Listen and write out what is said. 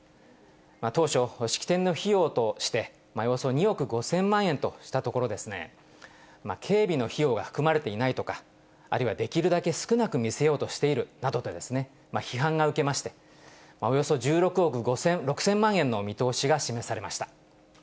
当初、式典の費用として、およそ２億５０００万円としたところ、警備の費用が含まれていないとか、あるいはできるだけ少なく見せようとしているなどと批判が受けまして、およそ１６億６０００万円の見通しが示されました。